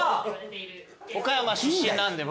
岡山出身なんで僕。